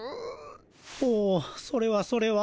ほうそれはそれは。